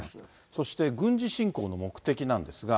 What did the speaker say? そして軍事侵攻の目的なんですが。